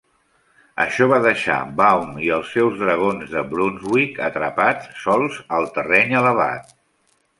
Això va deixar Baum i els seus dragons de Brunswick atrapats sols al terreny elevat.